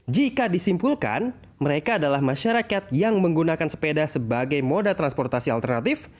jika disimpulkan mereka adalah masyarakat yang menggunakan sepeda sebagai moda transportasi alternatif